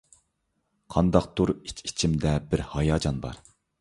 قانداقتۇر ئىچ-ئىچىمدە بىر ھاياجان.